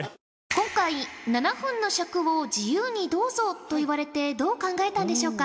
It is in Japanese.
今回７分の尺を自由にどうぞと言われてどう考えたんでしょうか？